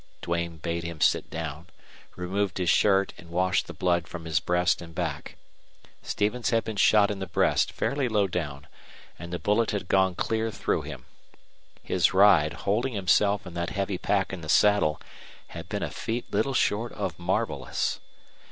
Duane bade him sit down, removed his shirt, and washed the blood from his breast and back. Stevens had been shot in the breast, fairly low down, and the bullet had gone clear through him. His ride, holding himself and that heavy pack in the saddle, had been a feat little short of marvelous.